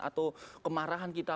atau kemarahan kita